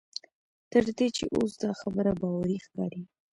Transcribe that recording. تر دې چې اوس دا خبره باوري ښکاري.